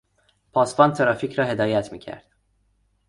پاسبان ترافیک را هدایت میکرد.